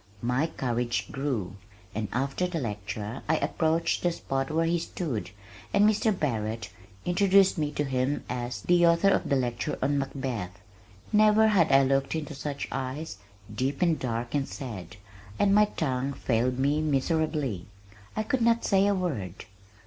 My courage grew, and after the lecture I approached the spot where he stood, and Mr. Barrett introduced me to him as "the author of the lecture on Macbeth." Never had I looked into such eyes deep and dark and sad and my tongue failed me miserably. I could not say a word.